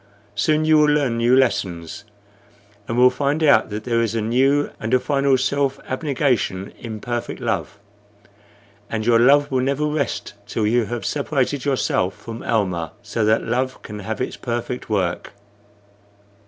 Soon you will learn new lessons, and will find out that there is a new and a final self abnegation in perfect love; and your love will never rest till you have separated yourself from Almah, so that love can have its perfect work."